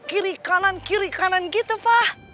kiri kanan kiri kanan gitu pak